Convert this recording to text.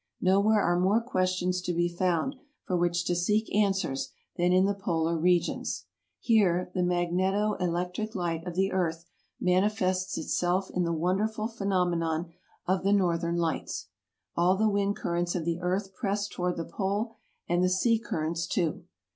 Nowhere are more questions to be found for which to seek answers than in the polar regions. Here the magneto electric light of the earth manifests itself in the wonderful phenomenon of the northern lights. All the wind currents of the earth press toward the pole, and the sea currents too.